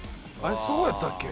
そうやったっけ？